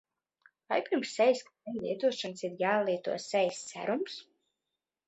Vai pirms sejas krēma lietošanas ir jālieto sejas serums?